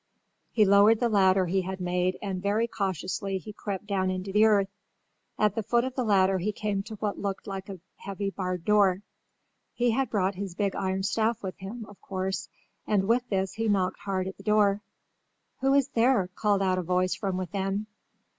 He lowered the ladder he had made and very cautiously he crept down into the earth. At the foot of the ladder he came to what looked like a heavy barred door. He had brought his big iron staff with him, of course, and with this he knocked hard at the door. "Who is there?" called out a voice from within.